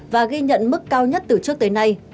và ghi nhận mức cao nhất từ trước tới nay